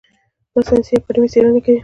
د ساینس اکاډمي څیړنې کوي؟